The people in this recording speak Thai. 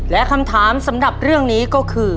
และคำถามสำหรับเรื่องนี้ก็คือ